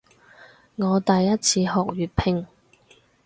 我第一次學粵拼